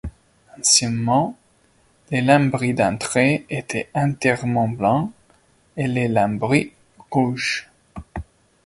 Anciennement les lambris d'entrées était entièrement blanc et les lambris rouge.